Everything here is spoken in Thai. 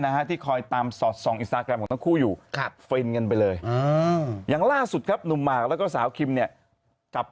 นี่เดี๋ยวกลับมาเดี๋ยวกลับมาครับครับ